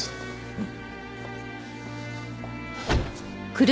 うん。